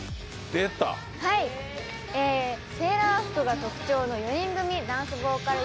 セーラー服が特徴の４人組ダンスボーカル